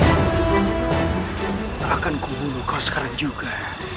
tidak akan kubunuh kau sekarang juga